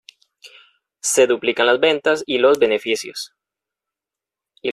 Se duplican las ventas y los beneficios.